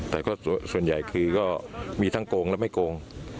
แต่ก็ส่วนใหญ่คือก็มีทั้งโกงและไม่โกง